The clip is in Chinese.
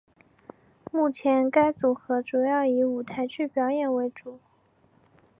目前该组合主要以舞台剧表演为主。